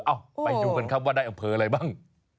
ไปดูกันครับว่าได้อำเภออะไรบ้าง